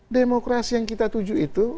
demokrasi yang kita tuju itu